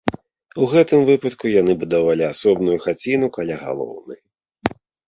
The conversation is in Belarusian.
У гэтым выпадку яны будавалі асобную хаціну каля галоўнай.